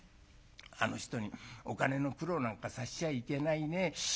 あの人にお金の苦労なんかさせちゃいけないね。